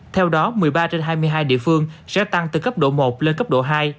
theo đó một mươi ba trên hai mươi hai địa phương sẽ tăng từ cấp độ một lên cấp độ hai